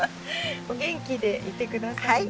お元気でいて下さいね。